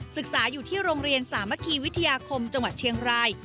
ศึกษาอยู่ที่โรงเรียนสามัคคีวิทยาคมจังหวัดเชียงราย